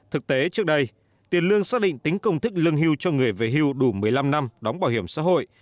thực tế trước đây tiền lương xác định tính công thức lương hưu cho người về hưu đủ một mươi năm năm đóng bảo hiểm xã hội